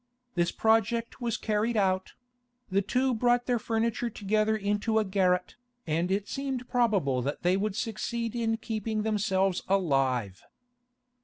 This project was carried out; the two brought their furniture together into a garret, and it seemed probable that they would succeed in keeping themselves alive.